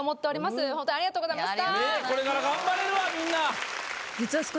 今日本当にありがとうございました！